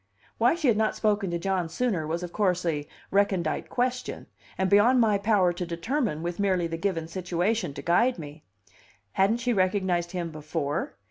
Why she had not spoken to John sooner was of course a recondite question, and beyond my power to determine with merely the given situation to guide me. Hadn't she recognized him before?